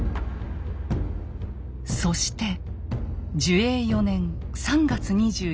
そして寿永４年３月２４日。